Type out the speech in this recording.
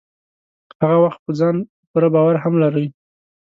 هغه وخت په ځان پوره باور هم لرئ.